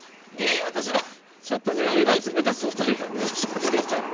ちょっとね目立つ２人がね出てきちゃって。